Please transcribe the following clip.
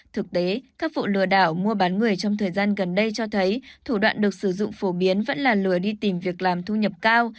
thực tế các vụ lừa đảo mua bán người trong thời gian gần đây cho thấy thủ đoạn được sử dụng phổ biến vẫn là lừa đi tìm việc làm thu nhập cao